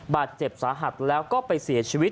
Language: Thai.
บาดเจ็บสาหัสแล้วก็ไปเสียชีวิต